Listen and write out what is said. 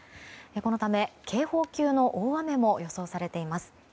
このため、警報級の大雨も予想されています。